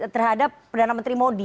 terhadap perdana menteri modi